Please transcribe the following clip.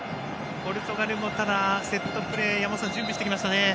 ポルトガルも、セットプレー山本さん、準備してきましたね。